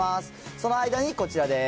その間にこちらです。